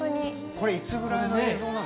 これいつぐらいの映像なの？